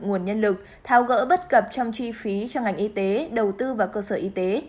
nguồn nhân lực tháo gỡ bất cập trong chi phí cho ngành y tế đầu tư vào cơ sở y tế